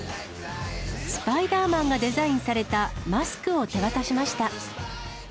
スパイダーマンがデザインされたマスクを手渡しました。